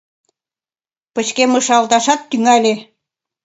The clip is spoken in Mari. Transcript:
Пычкемышалташат тӱҥале.